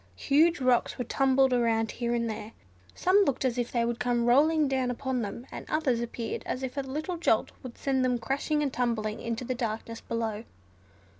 Huge rocks were tumbled about here and there. Some looked as if they would come rolling down upon them; and others appeared as if a little jolt would send them crashing and tumbling into the darkness below.